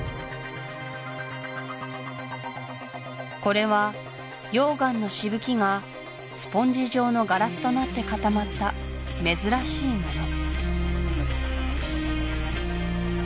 これは溶岩のしぶきがスポンジ状のガラスとなって固まった珍しいもの